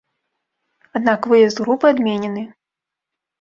Аднак выезд групы адменены.